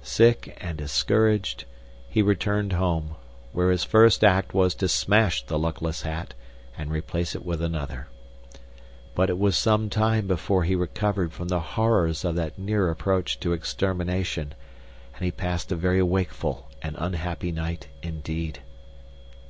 Sick and discouraged, he returned home, where his first act was to smash the luckless hat and replace it with another. But it was some time before he recovered from the horrors of that near approach to extermination, and he passed a very wakeful and unhappy night, indeed.